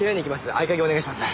合鍵お願いします。